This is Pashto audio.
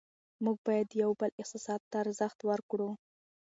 موږ باید د یو بل احساساتو ته ارزښت ورکړو